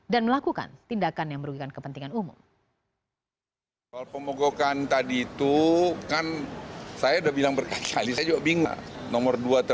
dan melakukan tindakan yang merugikan kepentingan umum